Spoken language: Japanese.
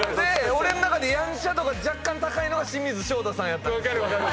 俺ん中でやんちゃ度が若干高いのが清水翔太さんやったんですよ。